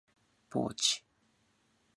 ポーチ